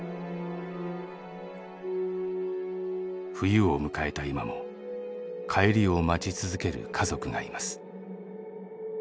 冬を迎えた今も帰りを待ち続ける家族がいます。